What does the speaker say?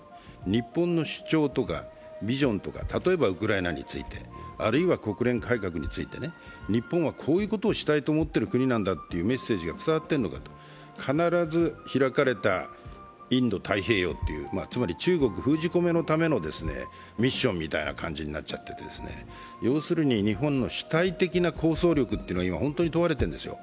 日本の主張とかビジョンとか、例えばウクライナについて、あるいは国連改革について、日本はこういうことをしたいと思ってる国なんだというメッセージが伝わっているのかと、必ず開かれたインド太平洋という、つまり中国封じ込めのためのミッションみたいな感じになっちゃってて、要するに、日本の主体的な構想力が今本当に問われているんですよ。